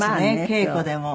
稽古でも。